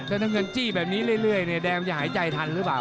แต่ถ้าเงินจี้แบบนี้เรื่อยแดงมันจะหายใจทันหรือเปล่า